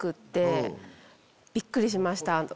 びっくりしました。